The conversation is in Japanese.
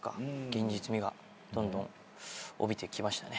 現実味がどんどん帯びてきましたね。